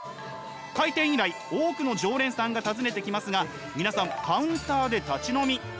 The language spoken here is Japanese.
開店以来多くの常連さんが訪ねてきますが皆さんカウンターで立ち飲み。